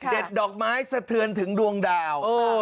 เด็ดดอกไม้สะเทือนถึงดวงดาวเออ